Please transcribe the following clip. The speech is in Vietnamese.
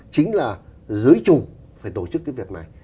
chính là giới chủ phải tổ chức cái việc này